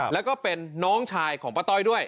แล้วก็เป็นน้องชายของป้าต้อยด้วย